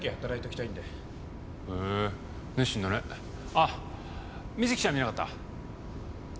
あっ瑞稀ちゃん見なかった？